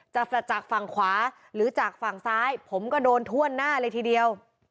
จากฝั่งขวาหรือจากฝั่งซ้ายผมก็โดนถ้วนหน้าเลยทีเดียว